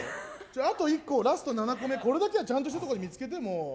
あと１個、ラスト７個目、これだけはちゃんとしたとこで見つけて。